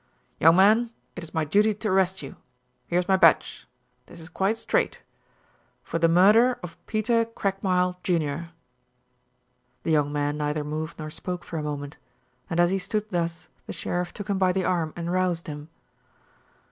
"Young man, it is my duty to arrest you. Here is my badge this is quite straight for the murder of Peter Craigmile, Jr." The young man neither moved nor spoke for a moment, and as he stood thus the sheriff took him by the arm, and roused him.